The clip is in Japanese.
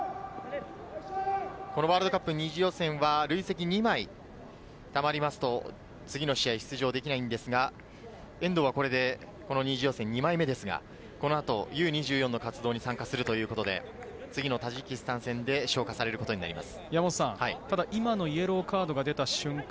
ワールドカップ２次予選は累積２枚たまりますと次の試合、出場できないんですが遠藤はこれで、２次予選２枚目ですが、この後Ｕ−２４の活動に参加するということで次のタジキスタン戦で消化されることになります。